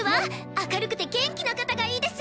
明るくて元気な方がいいです！